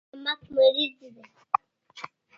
شمک مریض ده